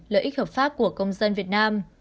lợi ích hợp pháp của công dân việt nam